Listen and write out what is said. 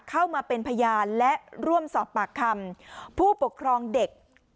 เข้ามาเป็นพยานและร่วมสอบปากคำผู้ปกครองเด็ก